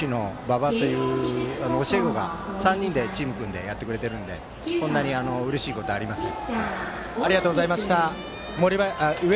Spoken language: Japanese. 部長の赤松とかそれから、ほしの、ばばという教え子が３人でチームを組んでやってくれてるのでこんなにうれしいことはありません。